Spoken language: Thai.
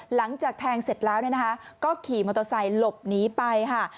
หลังจากแทงเสร็จแล้วเนี่ยนะคะก็ขี่มอเตอร์ไซค์หลบหนีไปค่ะ